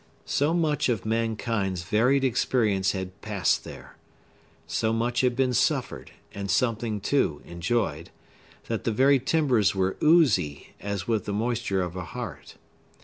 So much of mankind's varied experience had passed there,—so much had been suffered, and something, too, enjoyed,—that the very timbers were oozy, as with the moisture of a heart.